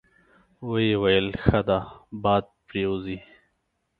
ویې ویل: ښه ده، باد پرې وځي.